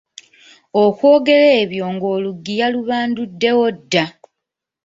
Okwogera ebyo ng'oluggi yalubanduddewo dda.